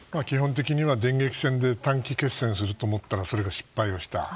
基本的には電撃戦で短期決戦すると思ったらそれが失敗した。